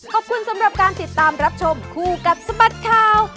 ขอบคุณสำหรับการติดตามรับชมคู่กับสบัดข่าว